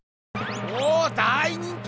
おお大人気！